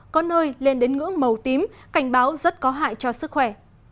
có nơi lên đến ngưỡng màu tím cảnh báo rất có hại cho sức khỏe